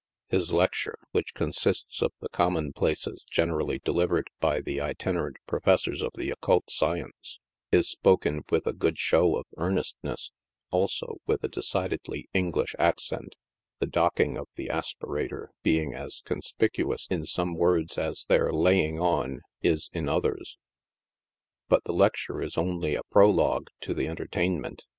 His lecture, which consists of the com mon places generally delivered by the itinerant professors of the oc cult science, is spoken with a good show of earnestness, also with a decidedly English accent, the docking of the aspirator being as con spicuous in some words as their laying on is in others. But the lec ture is only a prologue to the entertainment.